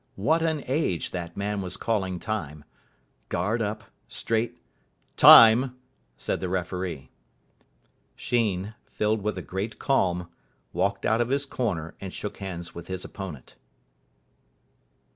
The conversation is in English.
What an age that man was calling Time. Guard up. Straight "Time," said the referee. Sheen, filled with a great calm, walked out of his corner and shook hands with his opponent.